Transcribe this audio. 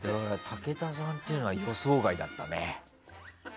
武田さんっていうのは予想外だったね。